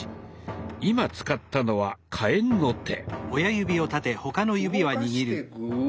今使ったのは「火焔」の手。